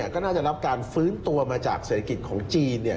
ก็น่าจะรับการฟื้นตัวมาจากเศรษฐกิจของจีน